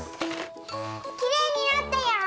きれいになったよ！